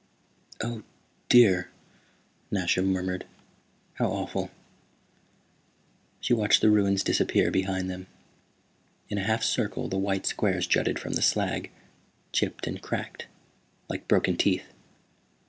"Oh, dear," Nasha murmured. "How awful." She watched the ruins disappear behind them. In a half circle the white squares jutted from the slag, chipped and cracked, like broken teeth.